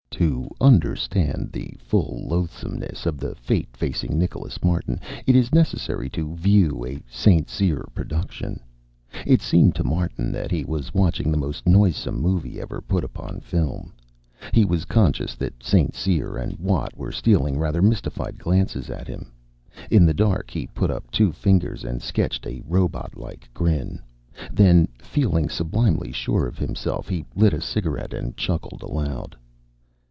To understand the full loathsomeness of the fate facing Nicholas Martin, it is necessary to view a St. Cyr production. It seemed to Martin that he was watching the most noisome movie ever put upon film. He was conscious that St. Cyr and Watt were stealing rather mystified glances at him. In the dark he put up two fingers and sketched a robot like grin. Then, feeling sublimely sure of himself, he lit a cigarette and chuckled aloud.